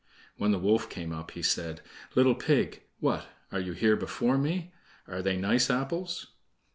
When the wolf came up he said: "Little pig, what! are you here before me? Are they nice apples?"